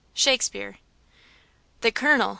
–SHAKESPEARE. "THE colonel!"